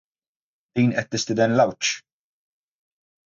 Din qed tistieden l-għawġ!